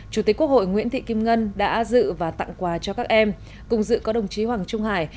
chủ tịch quốc hội nguyễn thị kim ngân đã dự và tặng quà cho các em cùng dự có đồng chí hoàng trung hải